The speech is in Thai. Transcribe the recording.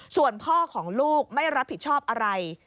ส่วนพ่อของลูกไม่รับผิดชอบอะไร